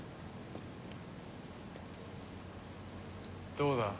どうだ？